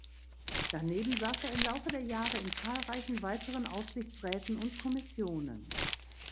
Daneben saß er im Laufe der Jahre in zahlreichen weiteren Aufsichtsräten und Kommissionen.